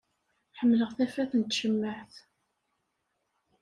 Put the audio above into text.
Ḥemmleɣ tafat n tcemmaεt.